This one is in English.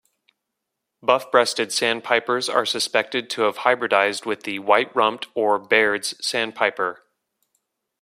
Buff-breasted sandpipers are suspected to have hybridized with the white-rumped or Baird's sandpiper.